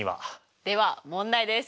では問題です。